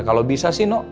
kalau bisa sih noh